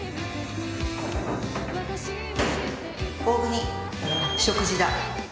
大國食事だ。